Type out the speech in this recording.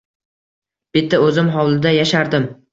Bitta o’zim hovlida yashardim.